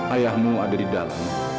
ayahmu ada di dalam